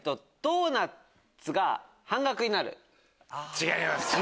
違います。